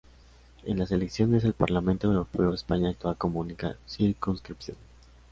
En las elecciones al Parlamento Europeo, España actúa como única circunscripción.